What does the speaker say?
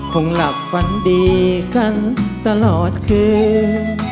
คงหลับฝันดีกันตลอดคืน